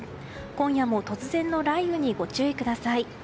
今夜も突然の雷雨にご注意ください。